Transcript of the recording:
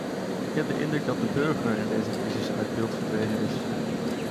Ik heb de indruk dat de burger in deze crisis uit beeld verdwenen is.